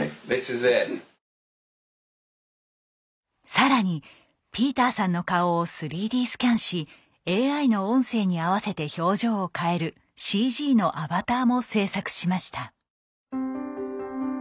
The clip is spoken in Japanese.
更にピーターさんの顔を３ＤスキャンしＡＩの音声に合わせて表情を変えるＣＧのアバターも制作しました。